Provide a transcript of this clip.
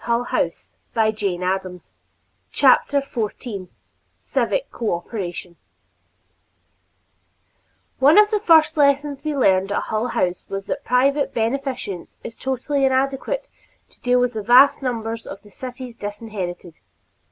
[Editor: Mary MarkOckerbloom] CHAPTER XIV CIVIC COOPERATION One of the first lessons we learned at Hull House was that private beneficence is totally inadequate to deal with the vast numbers of the city's disinherited.